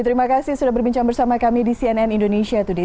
terima kasih sudah berbincang bersama kami di cnn indonesia today